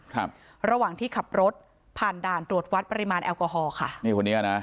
ครับระหว่างที่ขับรถผ่านด่านตรวจวัดปริมาณแอลกอฮอล์ค่ะนี่คนนี้นะ